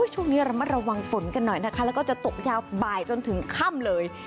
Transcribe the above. ช่วงนี้ระมัดระวังฝนกันหน่อยนะคะแล้วก็จะตกยาวบ่ายจนถึงค่ำเลย